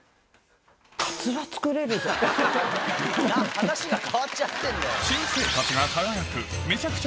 話が変わっちゃってんだよ。